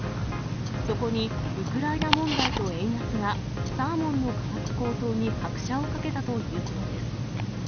そこにウクライナ問題と円安がサーモンの価格高騰に拍車をかけたということです。